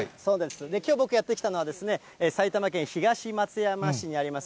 きょう僕やって来たのは、埼玉県東松山市にあります